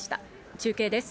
中継です。